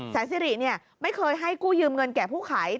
สิริไม่เคยให้กู้ยืมเงินแก่ผู้ขาย